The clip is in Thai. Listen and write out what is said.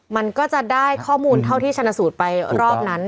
มันก็จะได้ข้อมูลเท่าที่ชนะสูตรไปรอบนั้น